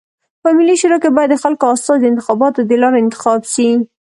په ملي شورا کي بايد د خلکو استازي د انتخاباتو د لاري انتخاب سی.